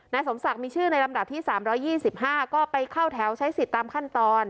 สมศักดิ์มีชื่อในลำดับที่๓๒๕ก็ไปเข้าแถวใช้สิทธิ์ตามขั้นตอน